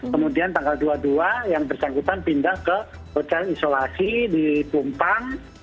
kemudian tanggal dua puluh dua yang bersangkutan pindah ke hotel isolasi di pumpang